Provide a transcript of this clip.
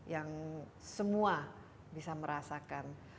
yang semua bisa merasakan